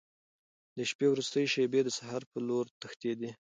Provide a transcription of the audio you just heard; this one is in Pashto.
د شپې وروستۍ شېبې د سهار په لور تښتېدې.